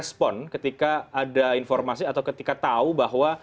rizik sihab merespon ketika ada informasi atau ketika tahu bahwa